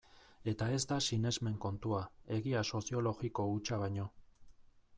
Eta ez da sinesmen kontua, egia soziologiko hutsa baino.